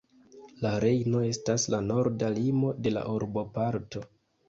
La Rejno estas la norda limo de la urboparto.